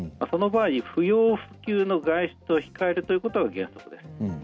その場合、不要不急の外出を控えることが原則です。